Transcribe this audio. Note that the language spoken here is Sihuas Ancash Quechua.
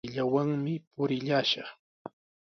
Payllawanmi purillashaq.